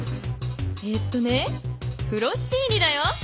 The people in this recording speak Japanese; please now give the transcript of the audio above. えっとねフロスティーニだよ。